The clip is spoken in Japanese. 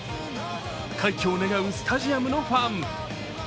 快挙を願うスタジアムのファン。